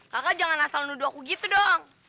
kakak jangan asal nuduh aku gitu doang